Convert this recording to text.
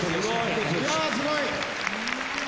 いやすごい！